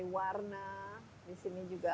warna di sini juga